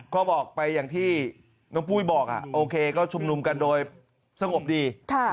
ก็บอกไปอย่างที่น้องปุ้ยบอกโอเคก็ชุมนุมกันโดยสงบดี